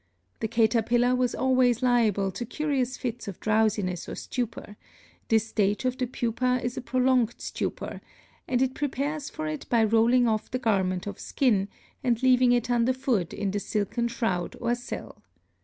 The caterpillar was always liable to curious fits of drowsiness or stupor; this stage of the pupa is a prolonged stupor, and it prepares for it by rolling off the garment of skin, and leaving it underfoot in the silken shroud or cell.